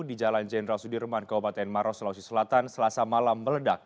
di jalan jenderal sudirman kabupaten maros sulawesi selatan selasa malam meledak